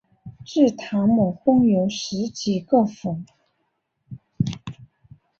至唐末共有十几个府。